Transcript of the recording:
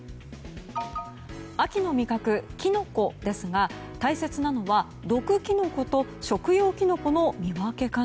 秋の味覚キノコですが大切なのは毒キノコと食用キノコの見分け方。